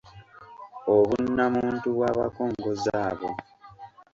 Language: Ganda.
Obunnamuntu bw’abakongozzi abo